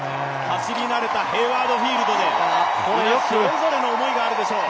走り慣れたヘイワード・フィールドで、それぞれの思いがあるでしょう。